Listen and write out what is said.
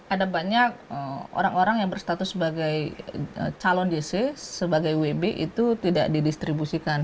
ada banyak orang orang yang berstatus sebagai calon jc sebagai wb itu tidak didistribusikan